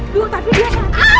tunggu tapi dia